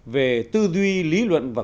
về tư duy lý luận và